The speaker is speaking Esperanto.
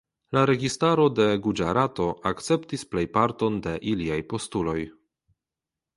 La registaro de Guĝarato akceptis plejparton de iliaj postuloj.